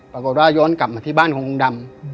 ปรากฏว่าย้อนกลับมาที่บ้านของลุงดำ